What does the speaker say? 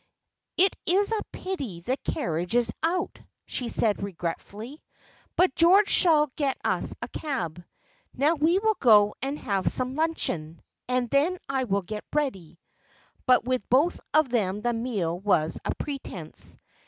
"It is a pity the carriage is out," she said, regretfully; "but George shall get us a cab. Now we will go and have some luncheon, and then I will get ready." But with both of them the meal was a pretence.